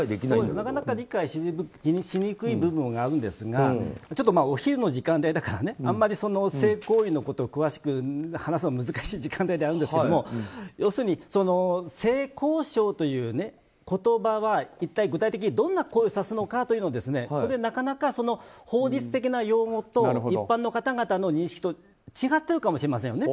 なかなか理解しにくい部分があるんですがちょっとお昼の時間帯だからあんまり性行為のことを詳しく話すのは難しい時間帯ではあるんですが要するに、性交渉という言葉は一体、具体的にどんな行為を指すのかというのはこれ、なかなか法律的な用語と一般の方々の認識と違ってるかもしれませんよね。